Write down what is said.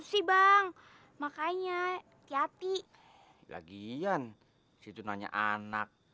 cakep juga neng